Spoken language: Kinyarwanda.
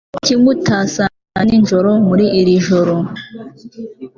Kuki mutasangira ninjoro muri iri joro?